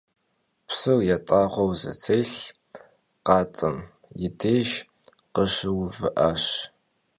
Psır yat'ağueu zetêlh khatım yi dêjj khışıuvı'aş.